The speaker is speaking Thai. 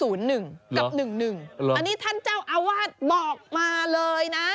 อันนี้ท่านเจ้าอาวาสบอกมาเลยนะ